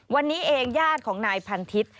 วันนี้เองญาติของนายพันทิศ